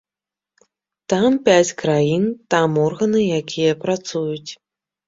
Там пяць краін, там органы, якія працуюць.